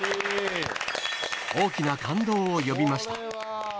大きな感動を呼びました。